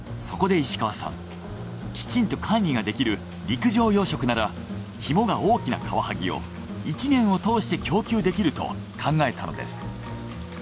そこで石川さんきちんと管理ができる陸上養殖ならキモが大きなカワハギを１年を通して供給できると考えたのです。